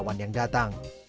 atau yang datang